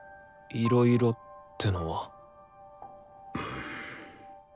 「いろいろ」ってのは？